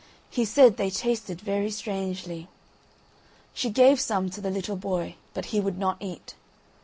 He said they tasted very strangely. She gave some to the little boy, but he would not eat.